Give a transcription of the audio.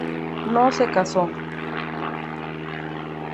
No se casó.